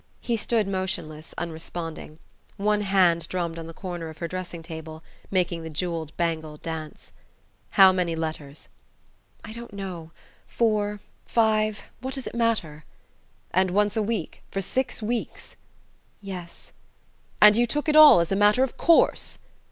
He stood motionless, unresponding. One hand drummed on the corner of her dressing table, making the jewelled bangle dance. "How many letters?" "I don't know... four... five... What does it matter?" "And once a week, for six weeks ?" "Yes." "And you took it all as a matter of course?"